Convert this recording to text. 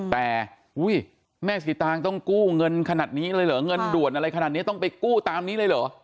แต่แม่สีตางต้องกู้เงินขนาดนี้เลยเหรอเงินด่วนอะไรขนาดนี้ต้องไปกู้ตามนี้เลยเหรอ